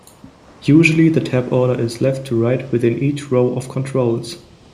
Usually the tab order is left to right within each row of controls.